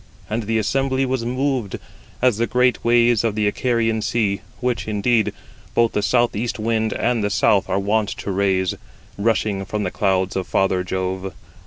88 And the assembly was moved, as the great waves of the Icarian Sea, which, indeed, both the south east wind and the south are wont to raise, 89 rushing from the clouds of father Jove.